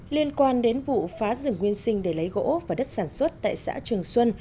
liên quan đến vụ phá rừng nguyên sinh để lấy gỗ và đất sản xuất tại xã trường xuân